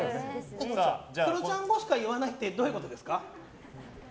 クロちゃん語しか言わないってどういうことですか？